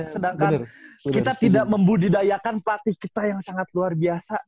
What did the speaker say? sedangkan kita tidak membudidayakan pelatih kita yang sangat luar biasa